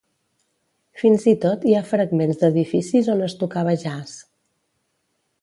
Fins i tot hi ha fragments d'edificis on es tocava jazz.